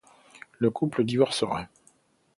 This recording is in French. Le couple divorcera.